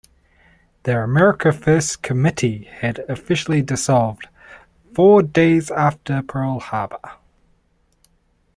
The America First Committee had officially dissolved four days after Pearl Harbor.